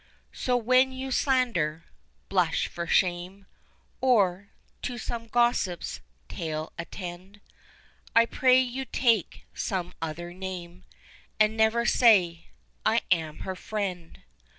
So when you slander blush for shame Or, to some gossip's tale attend, I pray you take some other name, And never say, I am her friend.